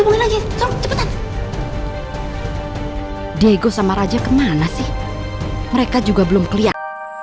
gimana sih mereka juga belum kelihatan